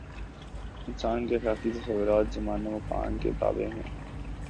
انسان کے اخلاقی تصورات زمان و مکان کے تابع ہیں۔